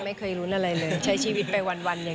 ไม่เคยรู้เลยชัยชีวิตไปวันเลย